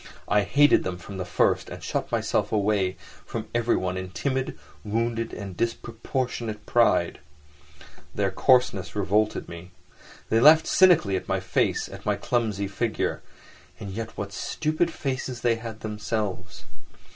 I hated them from the first, and shut myself away from everyone in timid, wounded and disproportionate pride. Their coarseness revolted me. They laughed cynically at my face, at my clumsy figure; and yet what stupid faces they had themselves.